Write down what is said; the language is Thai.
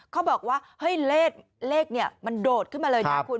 เขาบอกว่าเฮ้ยเลขนี้มันโดดขึ้นมาเลยนะคุณ